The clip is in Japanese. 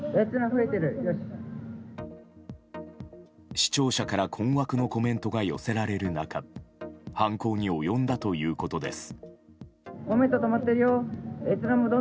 視聴者から困惑のコメントが寄せられる中犯行に及んだということです。